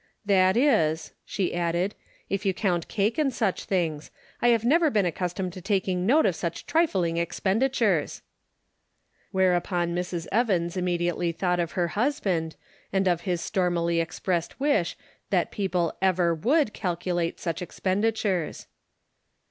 " That is," she added, " if you count cake and such things. I have never been accus tomed to taking note of such trifling expen ditures." Whereupon Mrs. Evans immediately thought of her husband, and of his stormily expressed wish that people ever would calculate such expenditures.